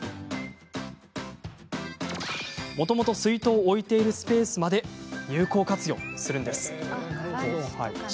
もともと水筒を置いているスペースまで有効活用するんです。